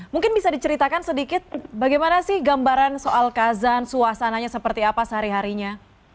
mungkin bisa diceritakan sedikit bagaimana sih gambaran soal kazan suasananya seperti apa sehari harinya